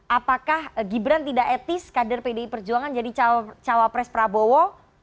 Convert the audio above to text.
apakah gibran tidak etis kader pdi perjuangan jadi cawapres prabowo